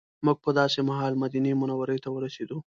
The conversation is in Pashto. موږ په داسې مهال مدینې منورې ته ورسېدو.